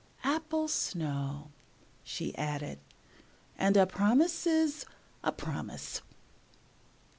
'Apple Snow,' she added. And 'a promise 's a promise!'"